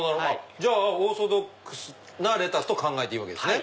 じゃあオーソドックスなレタスと考えていいわけですね。